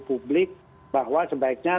publik bahwa sebaiknya